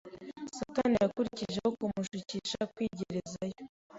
Satani yakurikijeho kumushukisha kwigerezaho